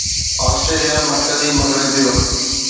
Australia مرڪزي مغربي وقت